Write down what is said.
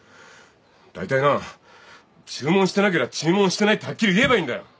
だいたいな注文してなけりゃ注文してないってはっきり言えばいいんだよ。